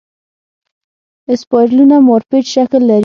اسپایرلونه مارپیچ شکل لري.